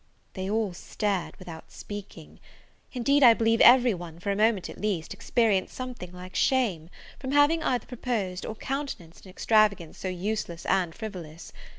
They all stared, without speaking. Indeed, I believe every one, for a moment at least, experienced something like shame, from having either proposed or countenanced an extravagance so useless and frivolous.